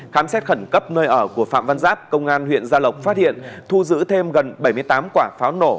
khám xét khẩn cấp nơi ở của phạm văn giáp công an huyện gia lộc phát hiện thu giữ thêm gần bảy mươi tám quả pháo nổ